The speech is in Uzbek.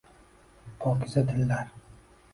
Pokiza dillar